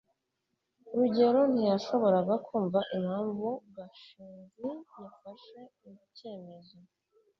rugeyo ntiyashoboraga kumva impamvu gashinzi yafashe icyemezo